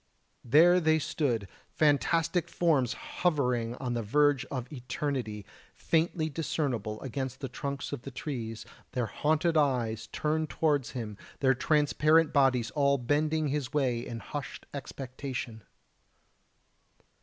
There they stood, fantastic forms hovering on the verge of Eternity, faintly discernible against the trunks of the trees, their haunted eyes turned towards him, their transparent bodies all bending his way in hushed expectation.